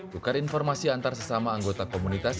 tukar informasi antar sesama anggota komunitas